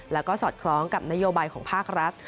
แล้วก็สอดคล้องกับนโยบายของภาครัฐ